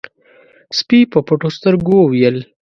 سپي په پټو سترګو وويل: